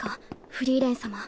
フリーレン様。